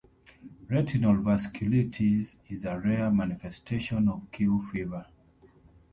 Retinal vasculitis is a rare manifestation of Q fever.